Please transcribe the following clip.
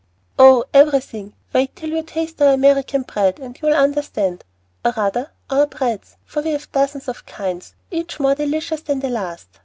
"Oh, everything. Wait till you taste our American bread, and you'll understand, or rather, our breads, for we have dozens of kinds, each more delicious than the last.